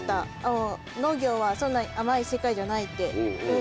農業はそんなに甘い世界じゃないって。